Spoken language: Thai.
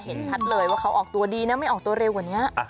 เห็นชัดเลยว่าเขาออกตัวดีนะไม่ออกตัวเร็วกว่านี้